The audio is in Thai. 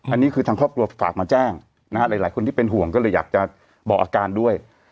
อันนี้คือทางครอบครัวฝากมาแจ้งนะฮะหลายคนที่เป็นห่วงก็เลยอยากจะบอกอาการด้วย